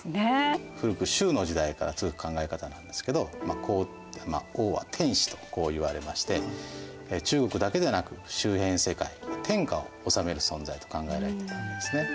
古く周の時代から続く考え方なんですけど王は天子と言われまして中国だけでなく周辺世界天下を治める存在と考えられているわけですね。